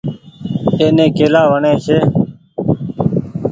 ايني ڪيلآ وڻي ڇي۔